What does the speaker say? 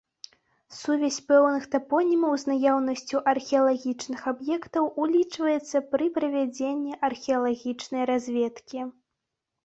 Сувязь пэўных тапонімаў з наяўнасцю археалагічных аб'ектаў улічваецца пры правядзенні археалагічнай разведкі.